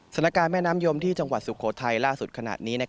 สถานการณ์แม่น้ำยมที่จังหวัดสุโขทัยล่าสุดขณะนี้